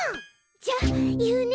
じゃあいうね。